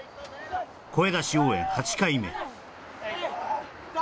声出し応援８回目２！